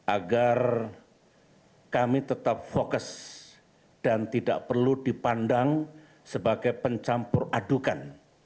agar kami tetap fokus dan tidak perlu dipandang sebagai pencampur adukan